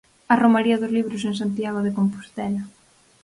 A Romaría dos Libros en Santiago de Compostela.